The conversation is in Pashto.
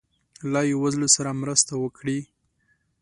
له یی وزلو سره مرسته وکړي